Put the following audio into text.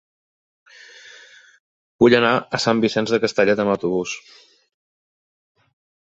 Vull anar a Sant Vicenç de Castellet amb autobús.